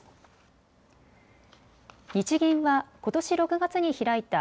日銀はことし６月に開いた